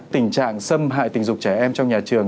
tình trạng xâm hại tình dục trẻ em trong nhà trường